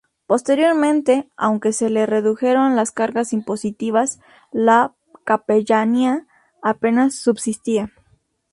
Posteriormente, aunque se le redujeron las cargas impositivas, la capellanía apenas subsistía.